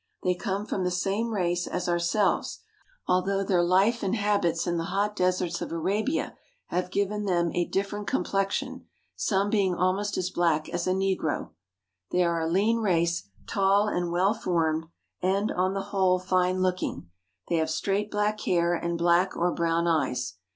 They come from the same race as ourselves, although their life and habits in the hot deserts of Arabia have given them a different complexion, some being almost as black as a negro. They are a lean race, tall and well formed and, on the whole, fine looking. They have straight black hair and black or brown eyes.